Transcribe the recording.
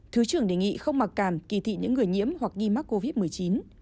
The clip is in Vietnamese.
thứ trưởng đề nghị không mặc càm kỳ thị những người nhiễm hoặc nghi mắc covid một mươi chín